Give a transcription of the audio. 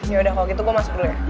yaudah kalau gitu gue masuk dulu ya